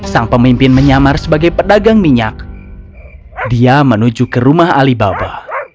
sang pemimpin menyamar sebagai pedagang minyak dia menuju ke rumah alibaba